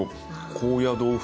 高野豆腐。